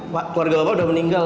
pak keluarga bapak sudah meninggal